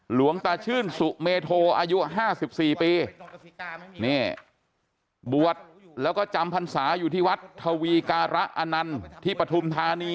หลวงตชื่นสุเมโทอายุห้าสิบสี่ปีเนี่ยบวชแล้วก็จำพันษาอยู่ที่วัดทวีการะอนันที่ปถุมธาณี